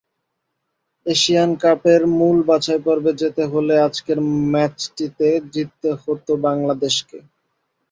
Asian কাপের মূল বাছাইপর্বে যেতে হলে আজকের ম্যাচটিতে জিততে হতো বাংলাদেশকে।